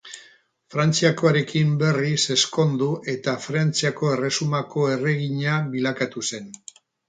Frantziakoarekin berriz ezkondu eta Frantziako Erresumako erregina bilakatu zen.